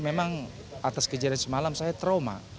memang atas kejadian semalam saya trauma